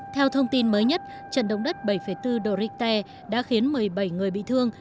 theo thông tin mới nhất trận động đất bảy bốn độ richter đã khiến một mươi bảy người bị thương